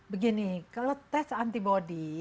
begini kalau tes antibody